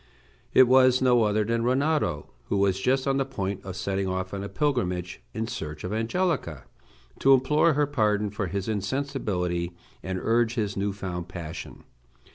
It was no other than Rinaldo, who was just on the point of setting off on a pilgrimage in search of Angelica, to implore her pardon for his insensibility, and urge his new found passion.